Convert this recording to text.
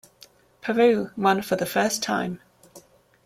Peru won for the first time.